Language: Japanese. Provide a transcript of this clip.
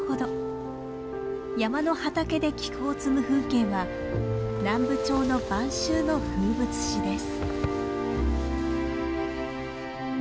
山の畑で菊を摘む風景は南部町の晩秋の風物詩です。